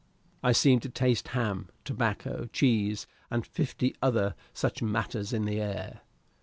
I seemed to taste ham, tobacco, cheese, and fifty other such matters in the air.